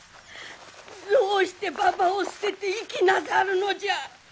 どうしてばばを捨てて行きなさるのじゃ！